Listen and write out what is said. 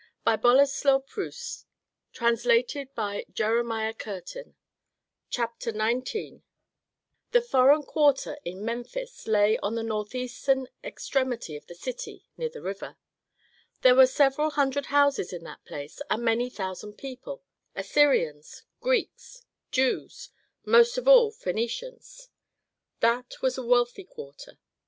[Illustration: Village of Bedreshen on the site of Memphis] CHAPTER XIX The foreign quarter in Memphis lay on the northeastern extremity of the city near the river. There were several hundred houses in that place and many thousand people, Assyrians, Greeks, Jews, most of all, Phœnicians. That was a wealthy quarter.